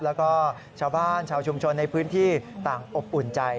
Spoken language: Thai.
แล้วก็ชาวบ้านชาวชุมชนในพื้นที่ต่างอบอุ่นใจ